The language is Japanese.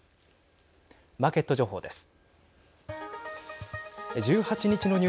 マーケット情報です。